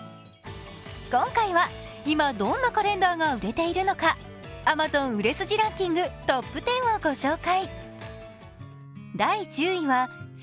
今回は今どんなカレンダーが売れているのかＡｍａｚｏｎ売れ筋ランキングトップ１０をご紹介。